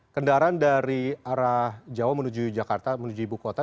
kendaraan dari arah jawa menuju jakarta menuju ibu kota